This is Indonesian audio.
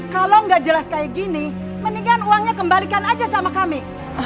kalau nggak jelas kayak gini mendingan uangnya kembalikan aja sama kami